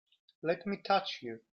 Let me touch you!